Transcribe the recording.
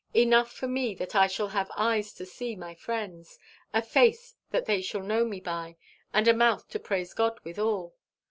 Enough for me that I shall have eyes to see my friends, a face that they shall know me by, and a mouth to praise God withal.